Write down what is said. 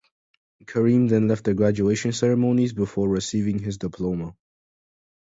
Kareem then left the graduation ceremonies before receiving his diploma.